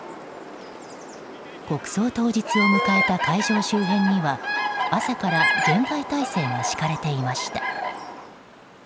国葬当日を迎えた会場周辺には朝から厳戒態勢が敷かれていました。